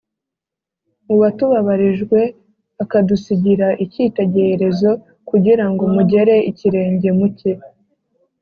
uwatubabarijwe akadusigira icyitegererezo, kugira ngo mugere ikirenge mu cye.